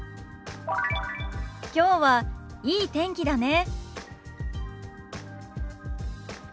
きょうはいい天気だね。